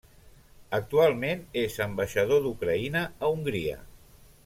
Actualment és ambaixador d'Ucraïna a Hongria.